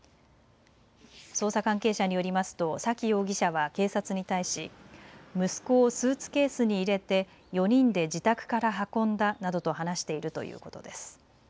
捜査関係者によりますと沙喜容疑者は警察に対し息子をスーツケースに入れて４人で自宅から運んだなどと話しているということです。